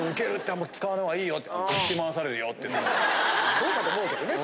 どうかと思うけどね